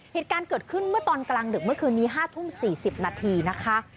เหตุการณ์เกิดขึ้นเมื่อตอนกลางดึกเมื่อคืนนี้๕ทุ่ม๔๐นาทีนะคะ